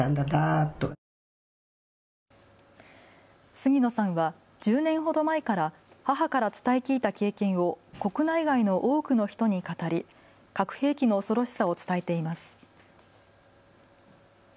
杉野さんは１０年ほど前から母から伝え聞いた経験を国内外の多くの人に語り核兵器の恐ろしさを伝えています。